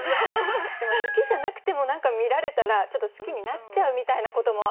でも好きじゃなくても何か見られたらちょっと好きになっちゃうみたいなことも。